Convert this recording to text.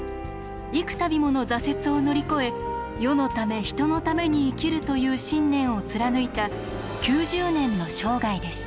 幾たびもの挫折を乗り越え世のため人のために生きるという信念を貫いた９０年の生涯でした。